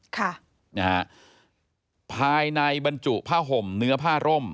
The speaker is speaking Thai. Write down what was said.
ค่ะนะฮะภายในบรรจุผ้าห่มเนื้อผ้าร่ม